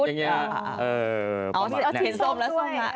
เออชีวิตส้มละส้มละ